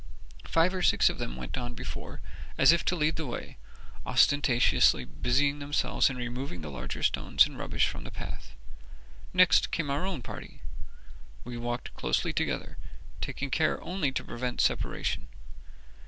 Five or six of them went on before, as if to lead the way, ostentatiously busying themselves in removing the larger stones and rubbish from the path. Next came our own party. We walked closely together, taking care only to prevent separation.